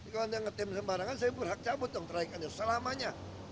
kalau anda ngetem sembarangan saya berhak cabut dong trayek anda selamanya